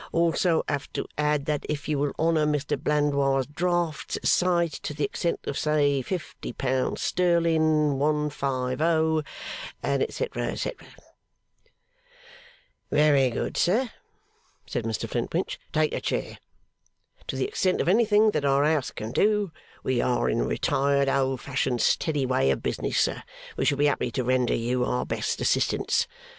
'Also have to add that if you will honour M. Blandois' drafts at sight to the extent of, say Fifty Pounds sterling (50_l_.),' &c. &c. 'Very good, sir,' said Mr Flintwinch. 'Take a chair. To the extent of anything that our House can do we are in a retired, old fashioned, steady way of business, sir we shall be happy to render you our best assistance.